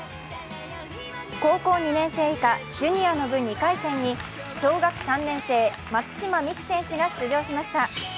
高校２年生以下ジュニアの部２回戦に小学３年生、松島美空選手が出場しました。